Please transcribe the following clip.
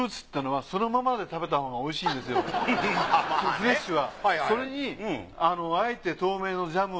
フレッシュは。